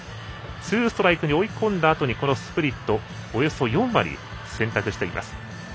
ツーストライクに追い込んだあとにスプリットこれをおよそ４割選択しています。